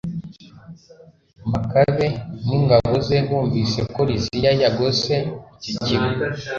makabe n'ingabo ze bumvise ko liziya yagose icyo kigo